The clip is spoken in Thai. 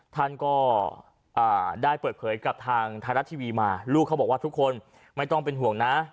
ท่านก็ได้เปิดเผยกับทางไทยรัฐทีวีมาลูกเขาบอกว่าทุกคนไม่ต้องเป็นห่วงนะ